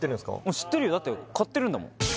知ってるよ買ってるんだもん